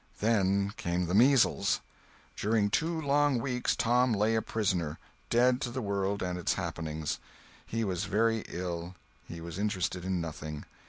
Then came the measles. During two long weeks Tom lay a prisoner, dead to the world and its happenings. He was very ill, he was interested in nothing.